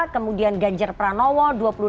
kemudian ganjar pranowo dua puluh enam sembilan